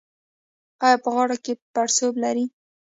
ایا په غاړه کې پړسوب لرئ؟